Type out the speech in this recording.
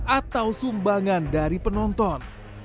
atau sumbangan dari penonton